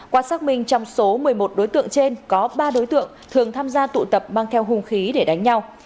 qua xác minh trong số một mươi một đối tượng trên có ba đối tượng thường tham gia tụ tập mang theo hùng khí để đánh nhau